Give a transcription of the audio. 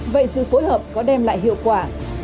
vậy sự phối hợp có đem lại hiệu quả